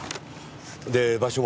で場所は？